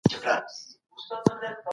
فکر د عمل پیل دی.